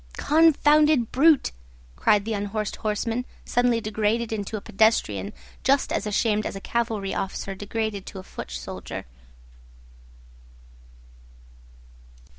"Confounded brute!" cried the unhorsed horseman, suddenly degraded into a pedestrian, just as ashamed as a cavalry officer degraded to a foot soldier.